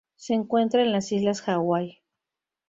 Se encuentran en las islas Hawái.